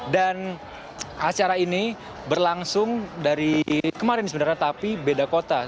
dan acara ini berlangsung dari kemarin sebenarnya tapi beda kota